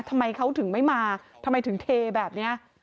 ทำไมเขาถึงไม่มาทำไมถึงเทแบบนี้